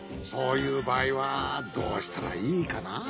そういうばあいはどうしたらいいかな。